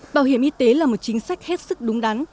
bảo hiểm y tế là một chính sách hết sức đúng đắn